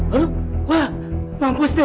aduh wah mampus dia